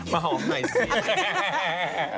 มาหอมใหม่สิ